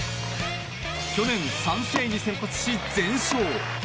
去年、３試合に先発し全勝。